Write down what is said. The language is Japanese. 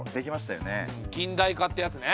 近代化ってやつね。